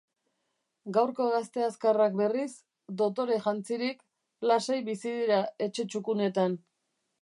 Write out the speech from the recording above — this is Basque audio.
Gaurko gazte azkarrak, berriz, dotore jantzirik, lasai bizi dira etxe txukunetan.